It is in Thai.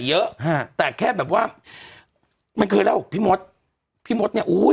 เยอะฮะแต่แค่แบบว่ามันเคยเล่าพี่มดพี่มดเนี่ยอุ้ย